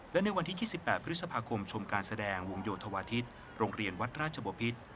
และในวันที่๒๘พฤษภาคมชมการแสดงวงโยธวาทิศโรงเรียนวัดราชบพิษ